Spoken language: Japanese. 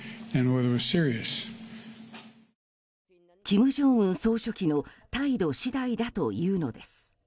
金正恩総書記の態度次第だというのです。